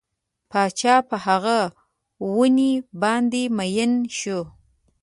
پاچا په هغه ونې باندې مین شو.